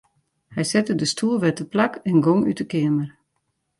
Hy sette de stoel wer teplak en gong út 'e keamer.